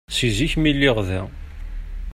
Si zik mi lliɣ da.